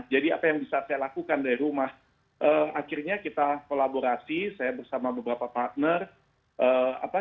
jadi apa yang bisa saya lakukan di rumah akhirnya kita kolaborasi saya bersama beberapa partner apa